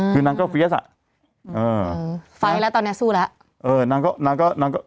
คือนางก็เฟียสอ่ะเออไฟล์แล้วตอนเนี้ยสู้แล้วเออนางก็นางก็นางก็